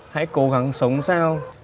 hãy cố gắng sống sao